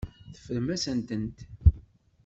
Teffrem-asen-tent.